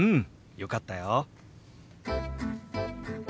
よかったよ。